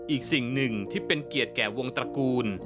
อีกสิ่งหนึ่งที่เป็นเกียรติแก่วงตระกูล